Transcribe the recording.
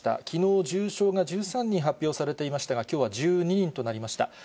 きのう、重症が１３人発表されていましたが、きょうは１２人となりました。